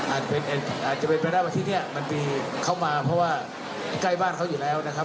อาจจะเป็นไปได้ว่าที่นี่มันมีเข้ามาเพราะว่าใกล้บ้านเขาอยู่แล้วนะครับ